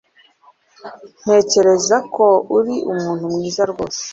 Ntekereza ko uri umuntu mwiza rwose